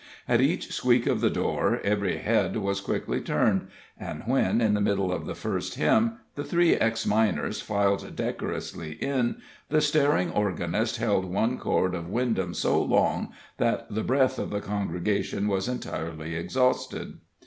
At each squeak of the door, every head was quickly turned; and when, in the middle of the first hymn, the three ex miners filed decorously in, the staring organist held one chord of "Windham" so long that the breath of the congregation was entirely exhausted.